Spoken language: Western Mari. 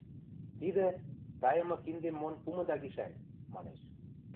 – Тидӹ – тайымы киндем мон пумыда гишӓн! – манеш.